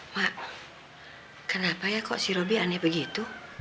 mak kenapa ya kok si robi aneh begitu